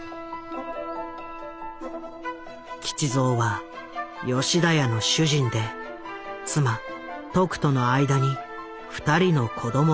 吉蔵は吉田屋の主人で妻トクとの間に２人の子供があった。